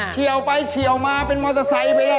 เฉียวไปเฉียวมาเป็นมอเตอร์ไซค์ไปเลย